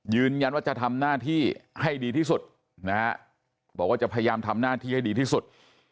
ยืนยันว่าจะทำหน้าที่ให้ดีที่สุดนะฮะบอกว่าจะพยายามทำหน้าที่ให้ดีที่สุด